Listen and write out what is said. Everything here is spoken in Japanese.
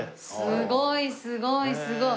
すごいすごいすごい。